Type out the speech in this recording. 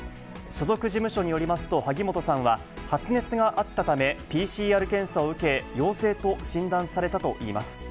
所属事務所によりますと、萩本さんは発熱があったためＰＣＲ検査を受け、陽性と診断されたといいます。